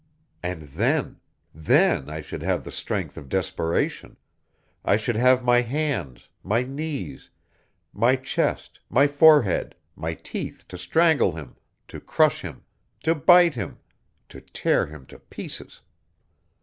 And then!... then I should have the strength of desperation; I should have my hands, my knees, my chest, my forehead, my teeth to strangle him, to crush him, to bite him, to tear him to pieces.